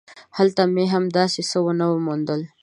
هلته مې هم داسې څه ونه موندل.